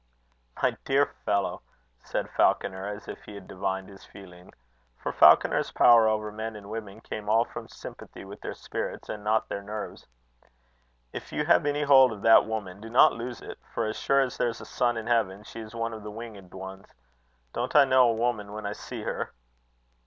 "My dear fellow!" said Falconer, as if he divined his feeling for Falconer's power over men and women came all from sympathy with their spirits, and not their nerves "if you have any hold of that woman, do not lose it; for as sure as there's a sun in heaven, she is one of the winged ones. Don't I know a woman when I see her!"